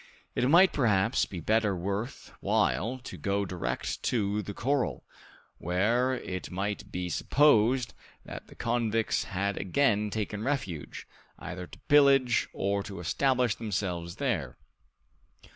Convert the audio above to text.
It might, perhaps, be better worth while to go direct to the corral, where it might be supposed that the convicts had again taken refuge, either to pillage or to establish themselves there.